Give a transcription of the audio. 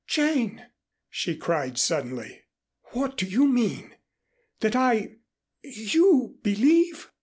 "Jane!" she cried suddenly. "What do you mean? That I you believe